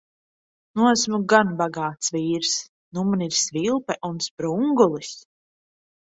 Nu esmu gan bagāts vīrs. Nu man ir svilpe un sprungulis!